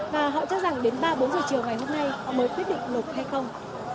và họ cho rằng đến ba bốn giờ chiều ngày hôm nay mới quyết định nộp hay không